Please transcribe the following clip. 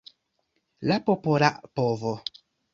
La popola povo.